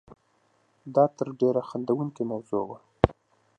دا تر ډېره خندوونکې موضوع وه.